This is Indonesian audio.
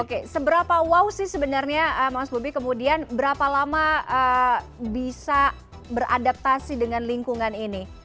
oke seberapa wow sih sebenarnya mas bobi kemudian berapa lama bisa beradaptasi dengan lingkungan ini